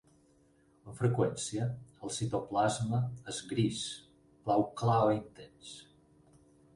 Amb freqüència, el citoplasma és gris, blau clar o intens.